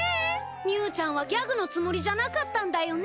みゅーちゃんはギャグのつもりじゃなかったんだよね。